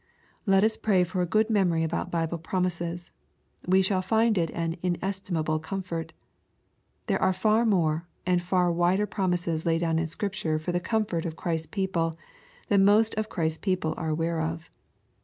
Let us pray for a good memory about Bible promises. We shall find it an inestimable comfort. There are far more, and far wider promises laid down in Scripture for the comfort of Christ's peple, than most of Christ's peo ple are aware of.